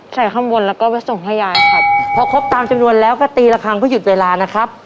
ข้างบนแล้วก็ไปส่งให้ยายครับพอครบตามจำนวนแล้วก็ตีละครั้งเพื่อหยุดเวลานะครับ